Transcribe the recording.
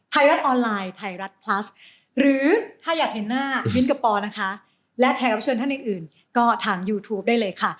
ไทยรัฐออนไลน์ไทยรัฐพลัสหรือถ้าอยากเห็นหน้ามิ้นกับปอนะคะและแขกรับเชิญท่านอื่นก็ถามยูทูปได้เลยค่ะ